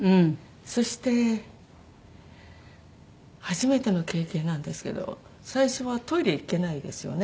そして初めての経験なんですけど最初はトイレ行けないですよね。